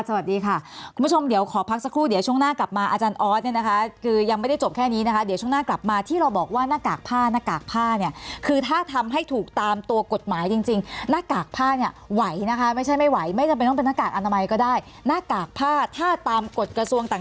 สวัสดีค่ะคุณผู้ชมเดี๋ยวขอพักสักครู่เดี๋ยวช่วงหน้ากลับมาอาจารย์ออสเนี่ยนะคะคือยังไม่ได้จบแค่นี้นะคะเดี๋ยวช่วงหน้ากลับมาที่เราบอกว่าหน้ากากผ้าหน้ากากผ้าเนี่ยคือถ้าทำให้ถูกตามตัวกฎหมายจริงจริงหน้ากากผ้าเนี่ยไหวนะคะไม่ใช่ไม่ไหวไม่จำเป็นต้องเป็นหน้ากากอนามัยก็ได้หน้ากากผ้าถ้าตามกฎกระทรวงต่าง